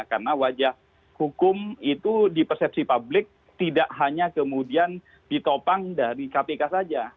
karena wajah hukum itu di persepsi publik tidak hanya kemudian ditopang dari kpk saja